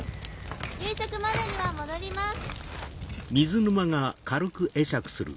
夕食までには戻ります。